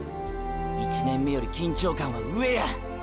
１年目より緊張感は上や！！